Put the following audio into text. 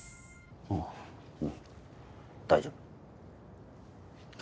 あぁうん大丈夫。